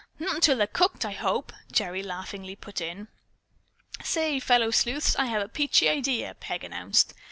"Not till they're cooked, I hope," Gerry laughingly put in. "Say, fellow sleuths, I have a peachy idea," Peg announced.